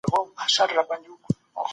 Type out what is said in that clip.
ولي خلک په کابل کي صنعت ته مخه کوي؟